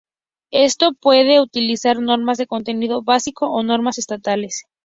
Esto puede utilizar normas de contenido básico o normas estatales.